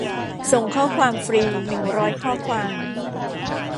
ส่งข้อความฟรี หนึ่งร้อยข้อความ